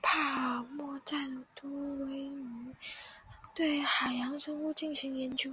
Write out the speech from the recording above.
帕尔默站多为对海洋生物进行研究。